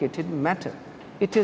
ini bukan hal yang berbaloi